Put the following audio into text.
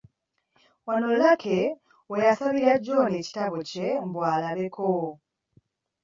Wano Lucky we yasabira John ekitabo kye mbu alabeko.